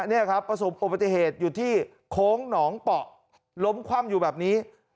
นี่ครับประสบอุบัติเหตุอยู่ที่โค้งหนองเปาะล้มคว่ำอยู่แบบนี้